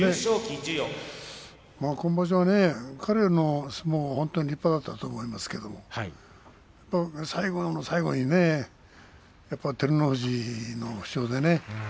今場所は彼の相撲は立派だったと思いますけど最後の最後にねやっぱり照ノ富士の負傷でね。